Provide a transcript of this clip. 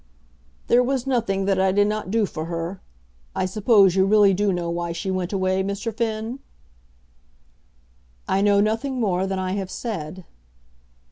"There was nothing that I did not do for her. I suppose you really do know why she went away, Mr. Finn?" "I know nothing more than I have said."